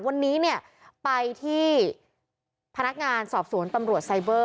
วันนี้เนี่ยไปที่พนักงานสอบสวนตำรวจไซเบอร์